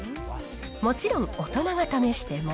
もちろん、大人が試しても。